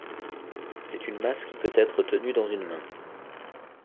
C'est une masse qui peut être tenue dans une main.